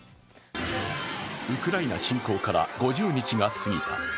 ウクライナ侵攻から５０日が過ぎた。